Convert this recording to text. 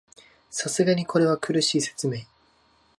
さすがにこれは苦しい説明